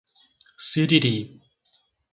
Siriri